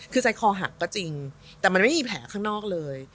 คือใจคอหักก็จริงแต่มันไม่มีแผลข้างนอกเลย